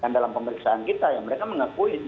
dan dalam pemeriksaan kita ya mereka mengakui